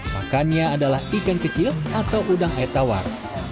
makannya adalah ikan kecil atau udang etawar